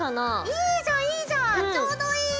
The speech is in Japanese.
いいじゃんいいじゃんちょうどいい！